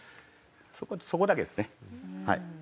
そこだけですねはい。